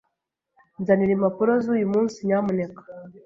Nzanira impapuro z'uyu munsi, nyamuneka.